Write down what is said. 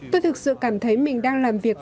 tôi thực sự cảm thấy mình đang làm việc